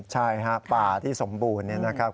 ใช่ครับป่าที่สมบูรณ์นะครับ